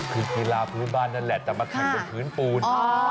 คือกีฬาพื้นบ้านนั่นแหละแต่มาแข่งบนพื้นปูน